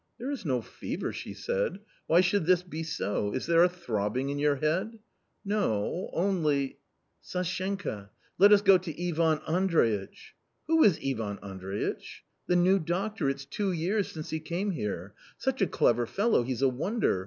"There is no fever," she said. "Why should this be so ? Is there a throbbing in your head ?" "No .... only ...."" Sashenka ! let us go to Ivan Andreitch !"" Who is Ivan Andreitch ?" "The new doctor; it's two years since he came here. Such a clever fellow, he's a wonder